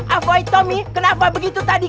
avoy tommy kenapa begitu tadi